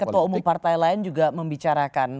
ketua umum partai lain juga membicarakan